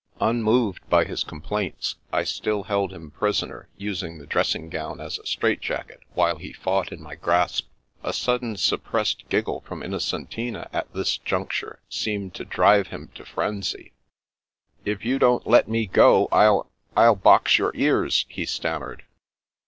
Unmoved by his complaints, I still held him pris oner, using the dressing gown as a strait jacket, while he fought in my grasp. A sudden suppressed giggle from Innocentina at this juncture seemed to drive him to frenzy. The Revenge of the Mountain 287 '* If you don't let me go, I'll— I'll box your cars 1 " he stammered.